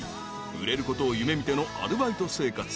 ［売れることを夢見てのアルバイト生活］